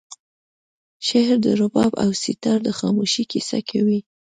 شعر د رباب او سیتار د خاموشۍ کیسه کوي